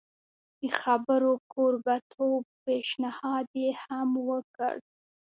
د خبرو کوربه توب پېشنهاد یې هم وکړ.